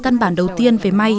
cân bản đầu tiên về may